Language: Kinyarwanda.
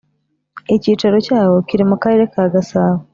icyicaro cyawo kiri mu karere ka gasabo